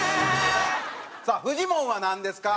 さあフジモンはなんですか？